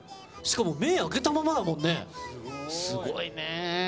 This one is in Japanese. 目を開けたままだもんね、すごいね。